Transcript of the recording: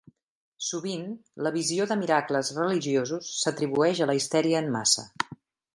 Sovint, la visió de miracles religiosos s'atribueix a la histèria en massa.